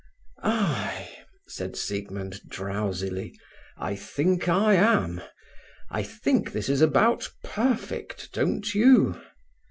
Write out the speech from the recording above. "Ay!" said Siegmund drowsily. "I think I am. I think this is about perfect, don't you?"